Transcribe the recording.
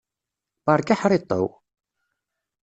Beṛka aḥriṭṭew!